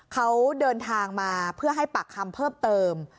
เขาเดินทางมาเพื่อให้ปากคำเพิ่มเติม